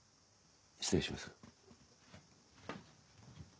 失礼します。